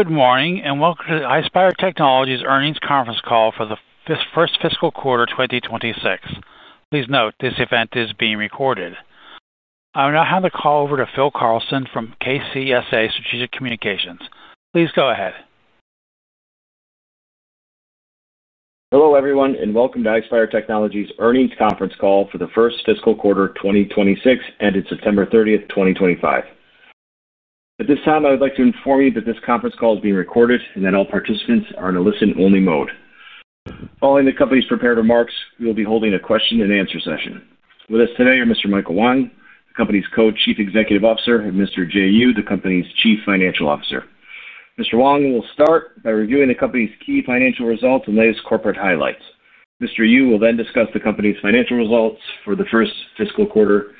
Good morning and welcome to the Ispire Technologies' Earnings Conference Call for the first fiscal quarter 2026. Please note this event is being recorded. I now hand the call over to Phil Carlson from KCSA Strategic Communications. Please go ahead. Hello everyone and welcome to Ispire Technologies' Earnings Conference Call for the First Fiscal Quarter 2026 ended September 30th, 2025. At this time, I would like to inform you that this Conference Call is being recorded and that all participants are in a listen-only mode. Following the Company's prepared remarks, we will be holding a question-and-answer session. With us today are Mr. Michael Wang, the company's Co-Chief Executive Officer, and Mr. Jay Yu, the company's Chief Financial Officer. Mr. Wang will start by reviewing the company's key financial results and latest corporate highlights. Mr. Yu will then discuss the Company's financial results for the first Fiscal Quarter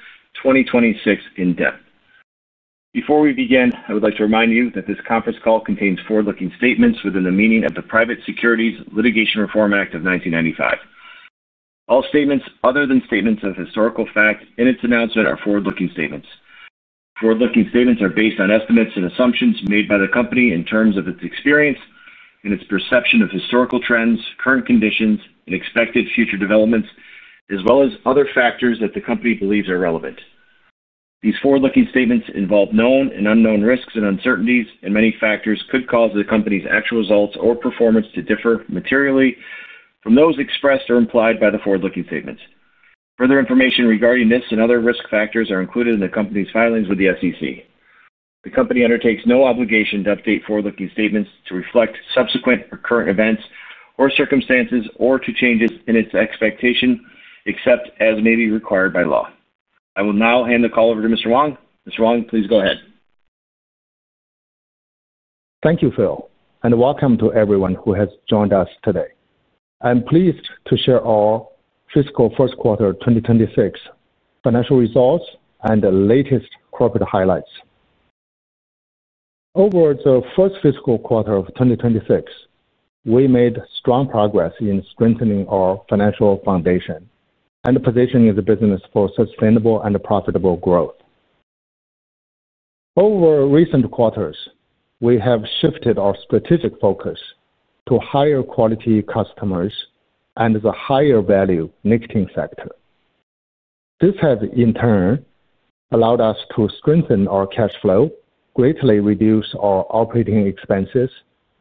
2026 in depth. Before we begin, I would like to remind you that this Conference Call contains forward-looking statements within the meaning of the Private Securities Litigation Reform Act of 1995. All statements other than statements of historical fact in its announcement are forward-looking statements. Forward-looking statements are based on estimates and assumptions made by the Company in terms of its experience and its perception of historical trends, current conditions, and expected future developments, as well as other factors that the Company believes are relevant. These forward-looking statements involve known and unknown risks and uncertainties, and many factors could cause the company's actual results or performance to differ materially from those expressed or implied by the forward-looking statements. Further information regarding this and other risk factors are included in the company's filings with the SEC. The company undertakes no obligation to update forward-looking statements to reflect subsequent or current events or circumstances or to changes in its expectation except as may be required by law. I will now hand the call over to Mr. Wang. Mr. Wang, please go ahead. Thank you, Phil, and welcome to everyone who has joined us today. I'm pleased to share our fiscal first quarter 2026 financial results and the latest corporate highlights. Over the first fiscal quarter of 2026, we made strong progress in strengthening our financial foundation and positioning the business for sustainable and profitable growth. Over recent quarters, we have shifted our strategic focus to higher-quality customers and the higher-value nickel sector. This has, in turn, allowed us to strengthen our cash flow, greatly reduce our operating expenses,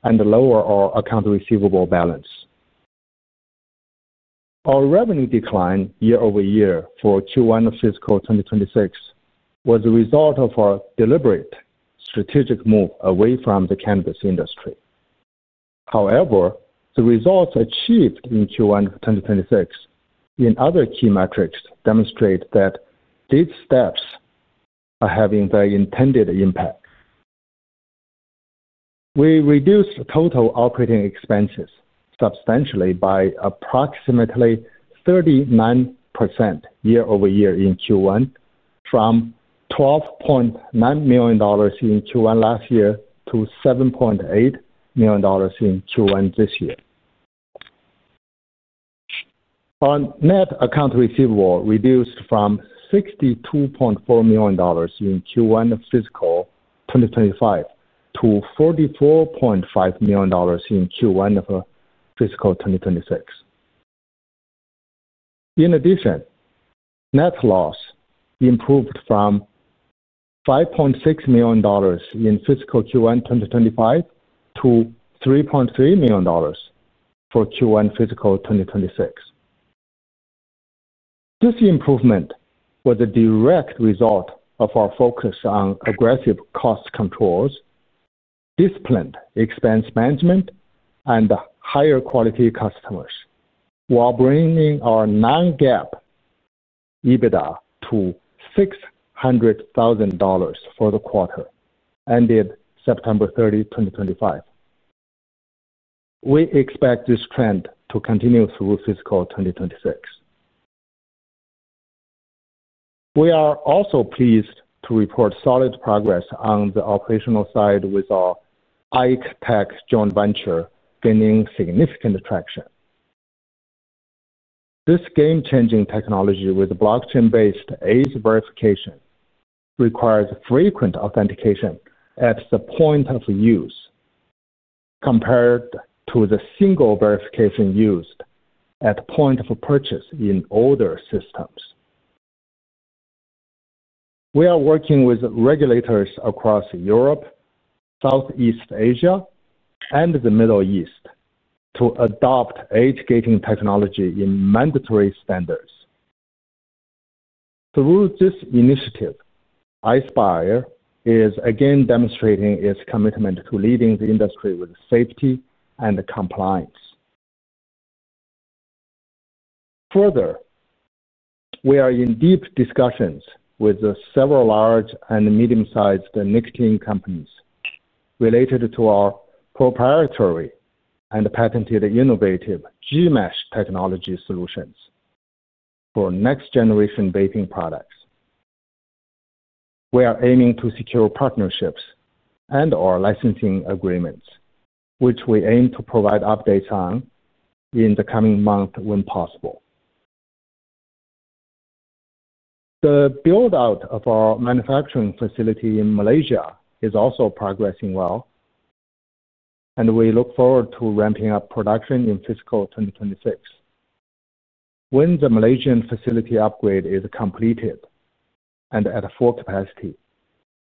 and lower our account receivable balance. Our revenue decline year-over-year for Q1 of fiscal 2026 was the result of our deliberate strategic move away from the cannabis industry. However, the results achieved in Q1 of 2026 in other key metrics demonstrate that these steps are having the intended impact. We reduced total operating expenses substantially by approximately 39% year-over-year in Q1, from $12.9 million in Q1 last year to $7.8 million in Q1 this year. Our net account receivable reduced from $62.4 million in Q1 of fiscal 2025 to $44.5 million in Q1 of fiscal 2026. In addition, net loss improved from $5.6 million in fiscal Q1 2025 to $3.3 million for Q1 fiscal 2026. This improvement was a direct result of our focus on aggressive cost controls, disciplined expense management, and higher-quality customers, while bringing our non-GAAP EBITDA to $600,000 for the quarter ended September 30, 2025. We expect this trend to continue through fiscal 2026. We are also pleased to report solid progress on the operational side with our ICTECH joint venture gaining significant traction. This game-changing technology with blockchain-based ACE verification requires frequent authentication at the point of use. Compared to the single verification used at the point of purchase in older systems, we are working with regulators across Europe, Southeast Asia, and the Middle East to adopt age-gating technology in mandatory standards. Through this initiative, Ispire is again demonstrating its commitment to leading the industry with safety and compliance. Further, we are in deep discussions with several large and medium-sized nicotine companies related to our proprietary and patented innovative GMASH technology solutions for next-generation vaping products. We are aiming to secure partnerships and/or licensing agreements, which we aim to provide updates on in the coming months when possible. The build-out of our manufacturing facility in Malaysia is also progressing well, and we look forward to ramping up production in fiscal 2026. When the Malaysian facility upgrade is completed and at full capacity,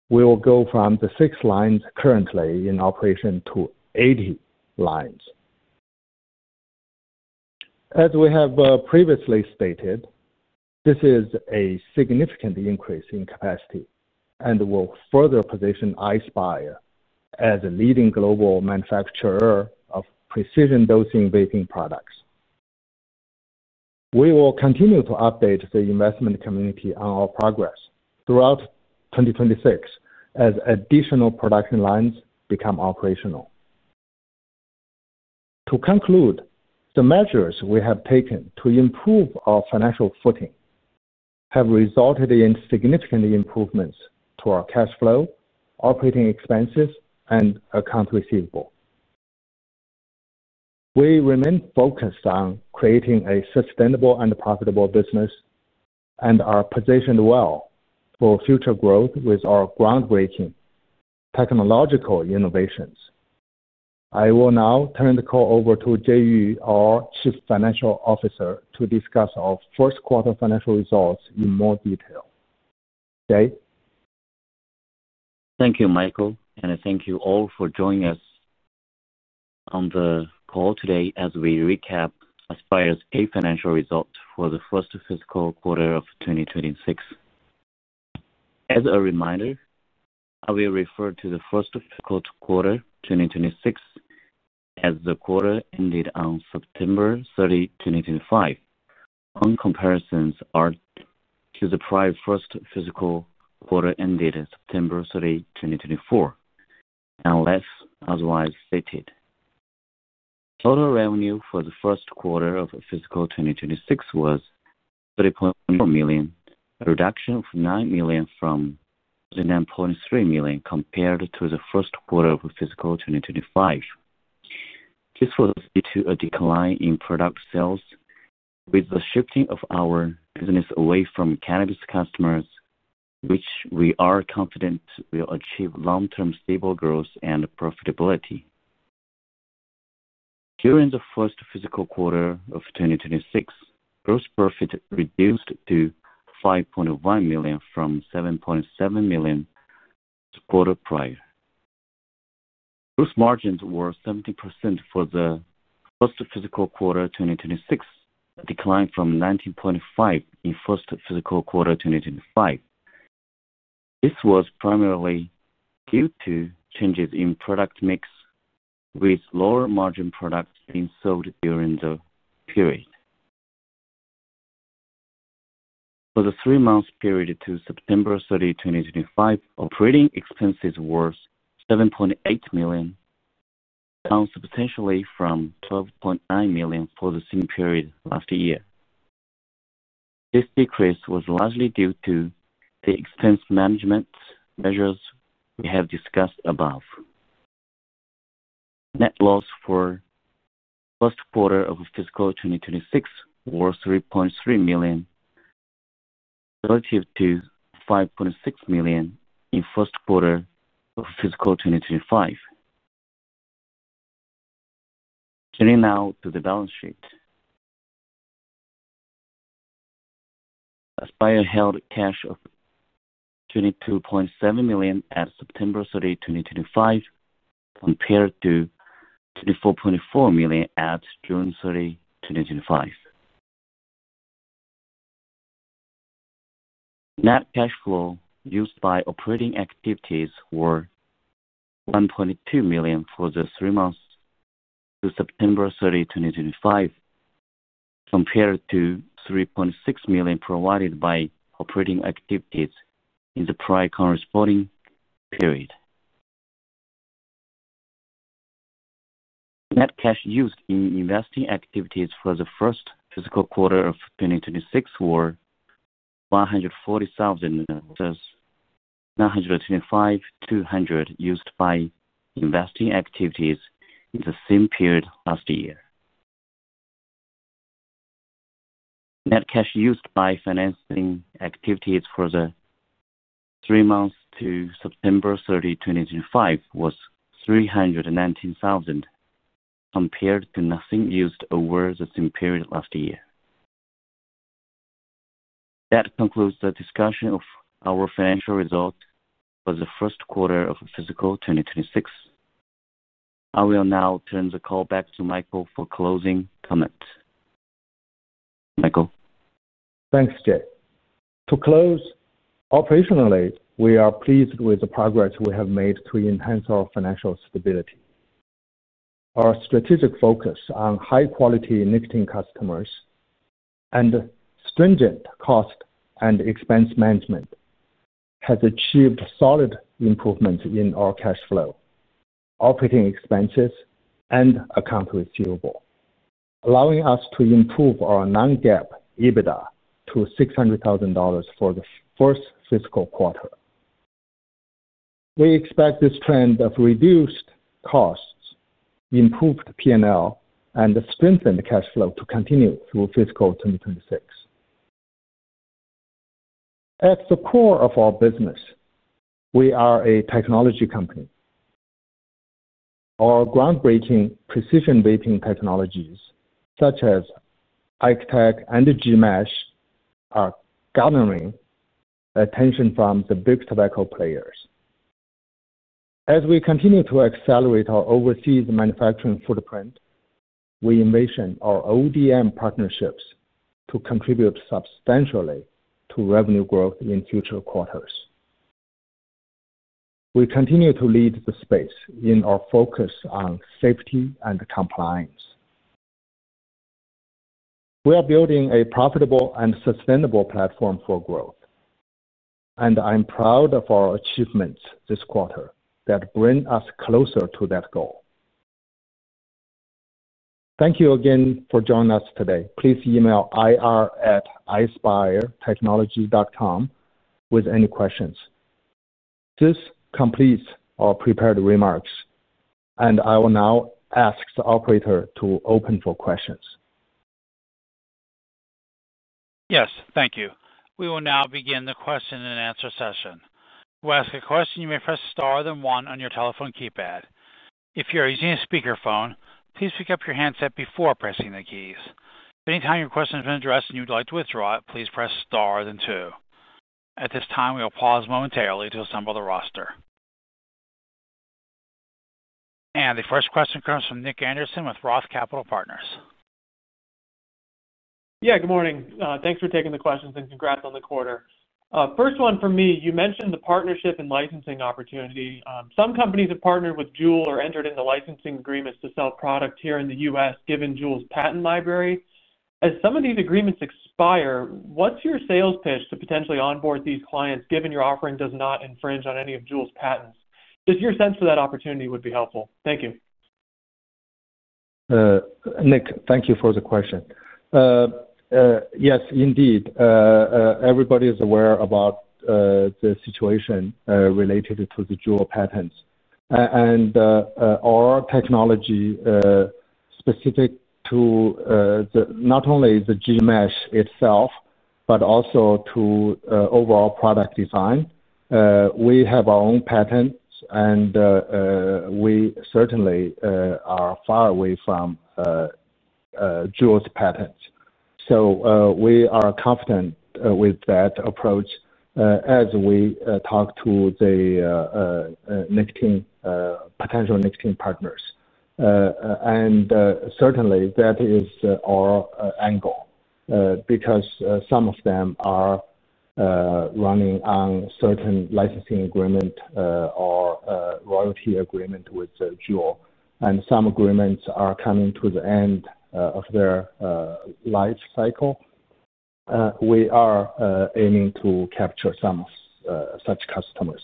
we will go from the six lines currently in operation to 80 lines. As we have previously stated, this is a significant increase in capacity and will further position Ispire as a leading global manufacturer of precision-dosing vaping products. We will continue to update the investment community on our progress throughout 2026 as additional production lines become operational. To conclude, the measures we have taken to improve our financial footing have resulted in significant improvements to our cash flow, operating expenses, and account receivable. We remain focused on creating a sustainable and profitable business and are positioned well for future growth with our groundbreaking technological innovations. I will now turn the call over to Jay Yu, our Chief Financial Officer, to discuss our first quarter financial results in more detail. Jay. Thank you, Michael, and thank you all for joining us. On the call today as we recap Ispire's financial results for the first fiscal quarter of 2026. As a reminder, I will refer to the first fiscal quarter 2026 as the quarter ended on September 30, 2025. All comparisons are to the prior first fiscal quarter ended September 30, 2024, unless otherwise stated. Total revenue for the first quarter of fiscal 2026 was $3.4 million, a reduction of $5.9 million from $9.3 million compared to the first quarter of fiscal 2025. This was due to a decline in product sales with the shifting of our business away from cannabis customers, which we are confident will achieve long-term stable growth and profitability. During the first fiscal quarter of 2026, gross profit reduced to $5.1 million from $7.7 million the quarter prior. Gross margins were 70% for the first fiscal quarter 2026, a decline from $19.5 million in the first fiscal quarter 2025. This was primarily due to changes in product mix, with lower-margin products being sold during the period. For the three-month period to September 30, 2025, operating expenses were $7.8 million, down substantially from $12.9 million for the same period last year. This decrease was largely due to the expense management measures we have discussed above. Net loss for the first quarter of fiscal 2026 was $3.3 million, relative to $5.6 million in the first quarter of fiscal 2025. Turning now to the balance sheet, Ispire held cash of $22.7 million at September 30, 2025, compared to $24.4 million at June 30, 2025. Net cash flow used by operating activities was $1.2 million for the three months to September 30, 2025. Compared to $3.6 million provided by operating activities in the prior corresponding period. Net cash used in investing activities for the first fiscal quarter of 2026 were $140,000 versus $925,200 used by investing activities in the same period last year. Net cash used by financing activities for the three months to September 30, 2025, was $319,000 compared to nothing used over the same period last year. That concludes the discussion of our financial results for the first quarter of fiscal 2026. I will now turn the call back to Michael for closing comment. Michael. Thanks, Jay. To close, operationally, we are pleased with the progress we have made to enhance our financial stability. Our strategic focus on high-quality nickel customers and stringent cost and expense management has achieved solid improvements in our cash flow, operating expenses, and account receivable, allowing us to improve our non-GAAP EBITDA to $600,000 for the first fiscal quarter. We expect this trend of reduced costs, improved P&L, and strengthened cash flow to continue through fiscal 2026. At the core of our business, we are a technology company. Our groundbreaking precision vaping technologies, such as ICTECH and GMASH, are garnering attention from the big tobacco players. As we continue to accelerate our overseas manufacturing footprint, we envision our ODM partnerships to contribute substantially to revenue growth in future quarters. We continue to lead the space in our focus on safety and compliance. We are building a profitable and sustainable platform for growth. I am proud of our achievements this quarter that bring us closer to that goal. Thank you again for joining us today. Please email ir@ispiretechnology.com with any questions. This completes our prepared remarks, and I will now ask the operator to open for questions. Yes, thank you. We will now begin the question-and-answer session. To ask a question, you may press star then one on your telephone keypad. If you are using a speakerphone, please pick up your handset before pressing the keys. If at any time your question has been addressed and you would like to withdraw it, please press star then two. At this time, we will pause momentarily to assemble the roster. The first question comes from Nick Anderson with Roth Capital Partners. Yeah, good morning. Thanks for taking the questions and congrats on the quarter. First one for me, you mentioned the partnership and licensing opportunity. Some companies have partnered with JUUL or entered into licensing agreements to sell product here in the US, given JUUL's patent library. As some of these agreements expire, what's your sales pitch to potentially onboard these clients, given your offering does not infringe on any of JUUL's patents? Just your sense for that opportunity would be helpful. Thank you. Nick, thank you for the question. Yes, indeed. Everybody is aware about the situation related to the JUUL patents. Our technology, specific to not only the GMASH itself, but also to overall product design, we have our own patents, and we certainly are far away from JUUL's patents. We are confident with that approach as we talk to the potential nickel partners. That is our angle because some of them are running on certain licensing agreements or royalty agreements with JUUL, and some agreements are coming to the end of their life cycle. We are aiming to capture some such customers.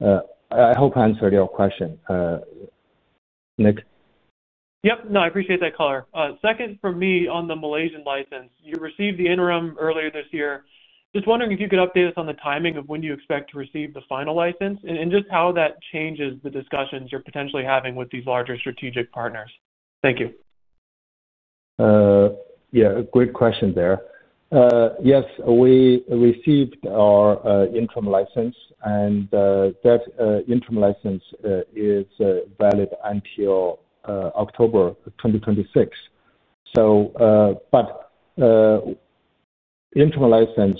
I hope I answered your question. Nick? Yep, no, I appreciate that, Collar. Second for me on the Malaysian license. You received the interim earlier this year. Just wondering if you could update us on the timing of when you expect to receive the final license and just how that changes the discussions you're potentially having with these larger strategic partners. Thank you. Yeah, great question there. Yes, we received our interim license, and that interim license is valid until October 2026. The interim license,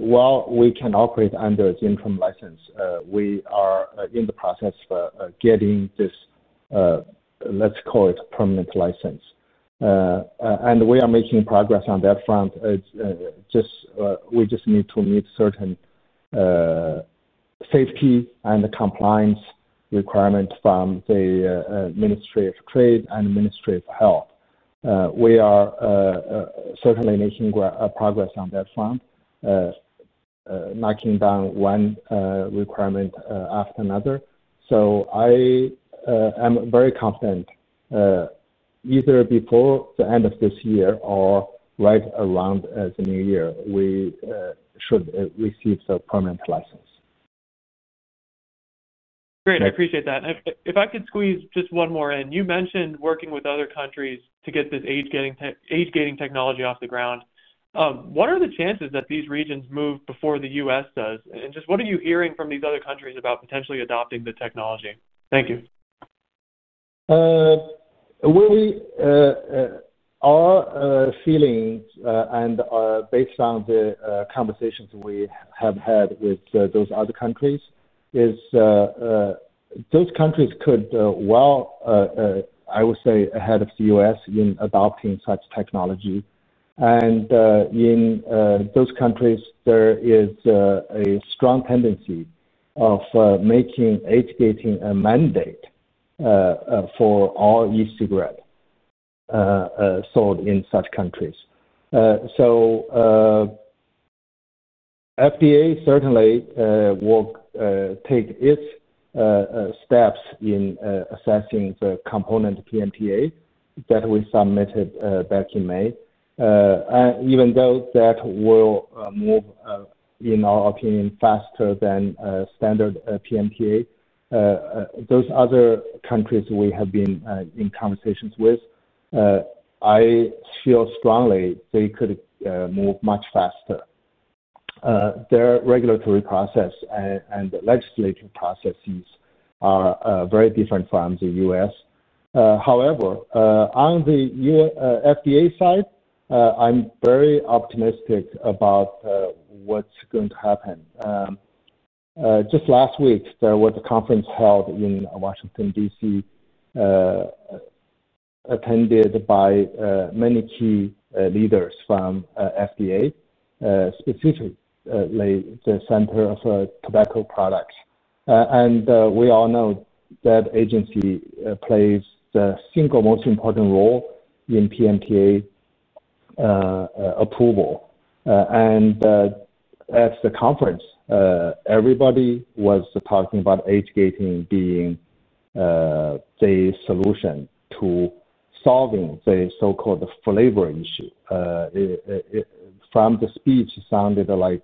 while we can operate under the interim license, we are in the process of getting this, let's call it, permanent license. We are making progress on that front. We just need to meet certain safety and compliance requirements from the Ministry of Trade and Ministry of Health. We are certainly making progress on that front, knocking down one requirement after another. I am very confident either before the end of this year or right around the New Year, we should receive the permanent license. Great, I appreciate that. If I could squeeze just one more in, you mentioned working with other countries to get this age-gating technology off the ground. What are the chances that these regions move before the U.S. does? What are you hearing from these other countries about potentially adopting the technology? Thank you. We are feeling, and based on the conversations we have had with those other countries, those countries could well, I would say, be ahead of the U.S. in adopting such technology. In those countries, there is a strong tendency of making age-gating a mandate for all e-cigarettes sold in such countries. FDA certainly will take its steps in assessing the component PMTA that we submitted back in May. Even though that will move, in our opinion, faster than standard PMTA, those other countries we have been in conversations with, I feel strongly they could move much faster. Their regulatory process and the legislative processes are very different from the US. However, on the FDA side, I'm very optimistic about what's going to happen. Just last week, there was a conference held in Washington, D.C. attended by many key leaders from FDA, specifically the Center of Tobacco Products. We all know that agency plays the single most important role in PMTA approval. At the conference, everybody was talking about age-gating being the solution to solving the so-called flavor issue. From the speech, it sounded like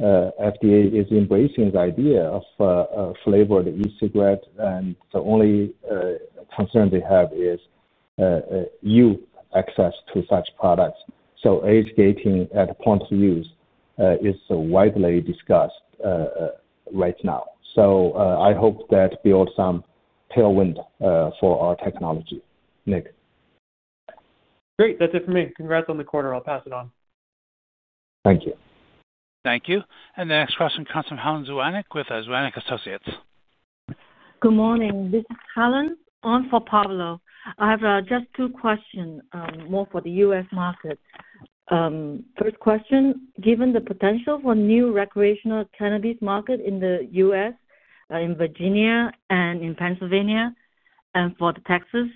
FDA is embracing the idea of flavored e-cigarettes, and the only concern they have is youth access to such products. Age-gating at point of use is widely discussed right now. I hope that builds some tailwind for our technology. Nick. Great, that's it for me. Congrats on the quarter. I'll pass it on. Thank you. Thank you. The next question comes from Helen Zuanek with Zuanek Associates. Good morning. This is Helen on for Pablo. I have just two questions more for the U.S. market. First question, given the potential for new recreational cannabis market in the U.S., in Virginia and in Pennsylvania, and for Texas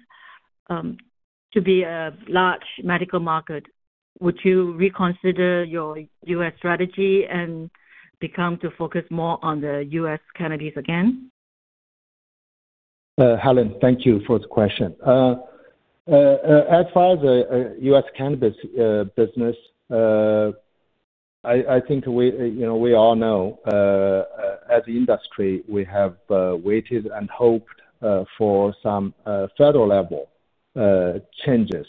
to be a large medical market, would you reconsider your U.S. strategy and become to focus more on the U.S. cannabis again? Helen, thank you for the question. As far as the U.S. cannabis business, I think we all know as an industry we have waited and hoped for some federal-level changes.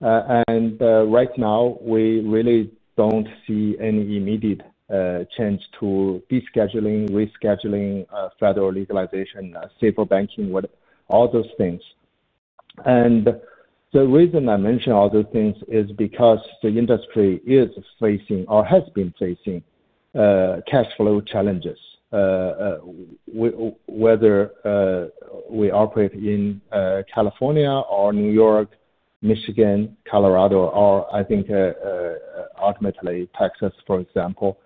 Right now, we really do not see any immediate change to rescheduling, rescheduling federal legalization, SAFER Banking, all those things. The reason I mention all those things is because the industry is facing or has been facing cash flow challenges. Whether we operate in California or New York, Michigan, Colorado, or I think ultimately Texas, for example.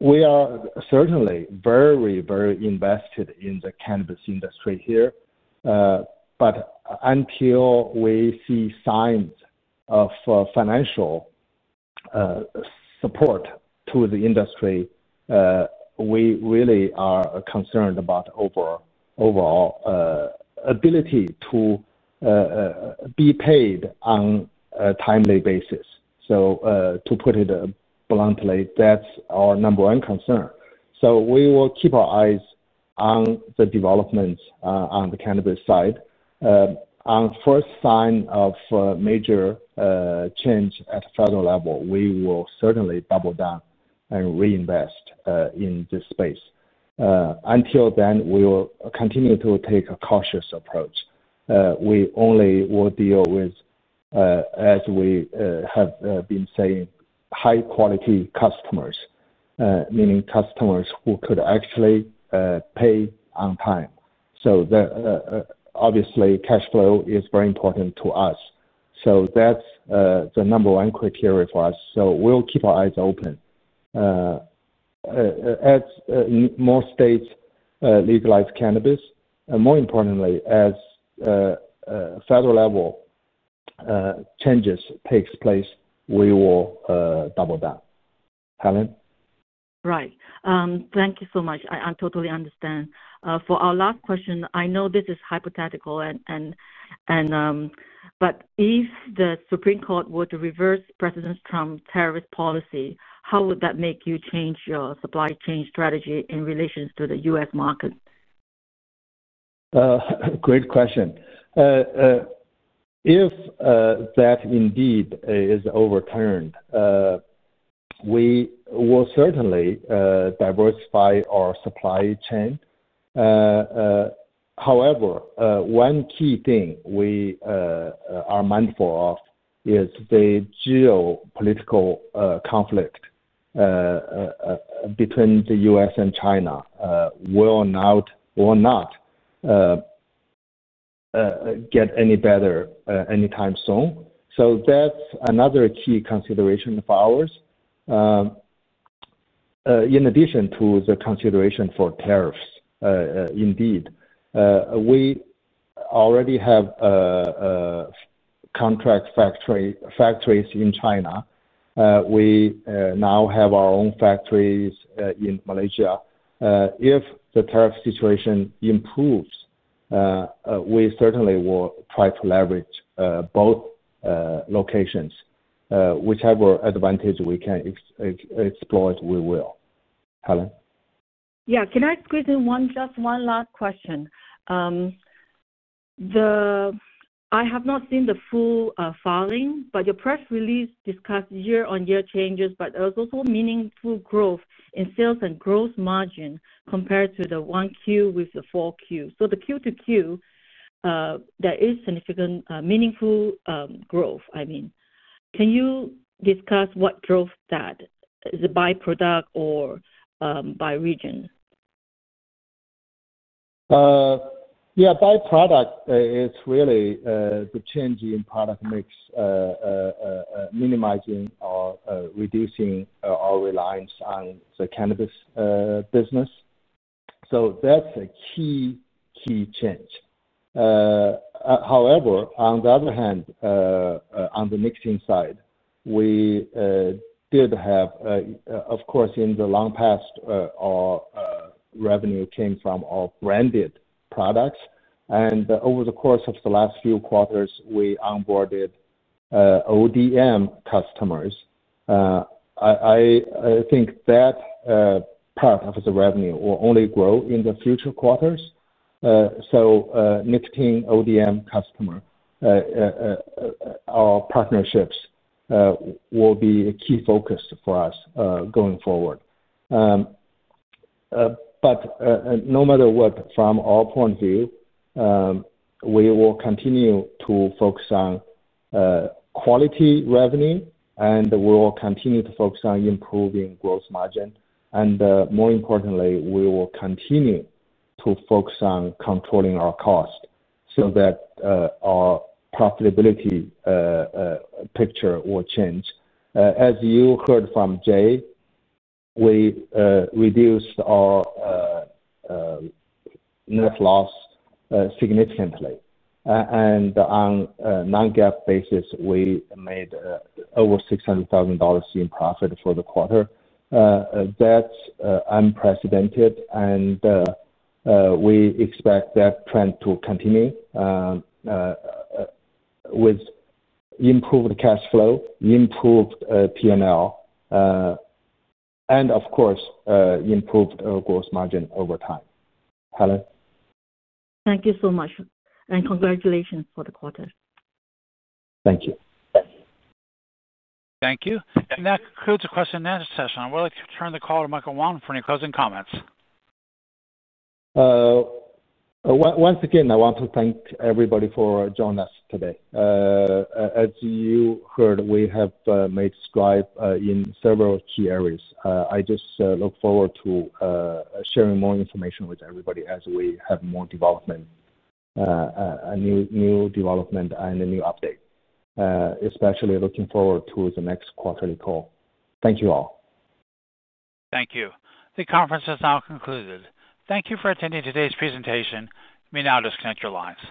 We are certainly very, very invested in the cannabis industry here. Until we see signs of financial support to the industry, we really are concerned about overall ability to be paid on a timely basis. To put it bluntly, that is our number one concern. We will keep our eyes on the developments on the cannabis side. On first sign of major change at the federal level, we will certainly double down and reinvest in this space. Until then, we will continue to take a cautious approach. We only will deal with, as we have been saying, high-quality customers, meaning customers who could actually pay on time. Obviously, cash flow is very important to us. That's the number one criteria for us. We'll keep our eyes open as more states legalize cannabis, and more importantly, as federal-level changes take place, we will double down. Helen? Right. Thank you so much. I totally understand. For our last question, I know this is hypothetical, and if the Supreme Court were to reverse President Trump's tariff policy, how would that make you change your supply chain strategy in relation to the U.S. market? Great question. If that indeed is overturned, we will certainly diversify our supply chain. However, one key thing we are mindful of is the geopolitical conflict between the U.S. and China. It will not get any better anytime soon. That is another key consideration of ours, in addition to the consideration for tariffs. Indeed, we already have contract factories in China. We now have our own factories in Malaysia. If the tariff situation improves, we certainly will try to leverage both locations. Whichever advantage we can exploit, we will. Helen. Yeah, can I squeeze in just one last question? I have not seen the full filing, but your press release discussed year-on-year changes, but there was also meaningful growth in sales and gross margin compared to the one Q with the four Q. So the Q-o-Q. There is significant meaningful growth, I mean. Can you discuss what drove that? Is it by product or by region? Yeah, by product, it's really the change in product mix. Minimizing or reducing our reliance on the cannabis business. That is a key change. However, on the other hand, on the mixing side, we did have, of course, in the long past, our revenue came from our branded products. Over the course of the last few quarters, we onboarded ODM customers. I think that part of the revenue will only grow in future quarters. Mixing ODM customer partnerships will be a key focus for us going forward. No matter what, from our point of view, we will continue to focus on quality revenue, and we will continue to focus on improving gross margin. More importantly, we will continue to focus on controlling our cost so that our profitability picture will change. As you heard from Jay, we reduced our net loss significantly. On a non-GAAP basis, we made over $600,000 in profit for the quarter. That is unprecedented, and we expect that trend to continue, with improved cash flow, improved P&L, and of course, improved gross margin over time. Helen. Thank you so much. Congratulations for the quarter. Thank you. Thank you. That concludes the question and answer session. I would like to turn the call to Michael Wang for any closing comments. Once again, I want to thank everybody for joining us today. As you heard, we have made strides in several key areas. I just look forward to sharing more information with everybody as we have more development, new development, and a new update. Especially looking forward to the next quarterly call. Thank you all. Thank you. The conference has now concluded. Thank you for attending today's presentation. You may now disconnect your lines.